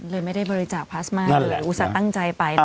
เลยไม่ได้บริจาคพลาสมาเลยอุตส่าห์ตั้งใจไป